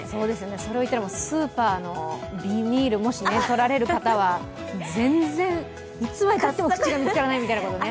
それを言ったら、スーパーのビニール、もしとられる方は、全然、いつまでたっても口が見つからないみたいなね。